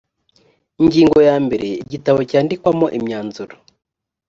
ingingo ya mbere igitabo cyandikwamo imyanzuro